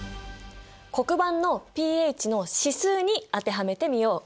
黒板のｐＨの指数に当てはめてみよう！